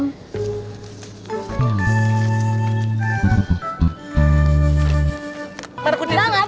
tidak gak boleh